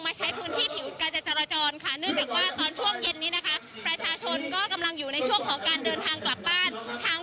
คุณผู้ชมค่ะคุณพระพรมคุณนัทพงธ์วันนี้จะเห็นว่าบรรยากาศที่บรรยาเวียน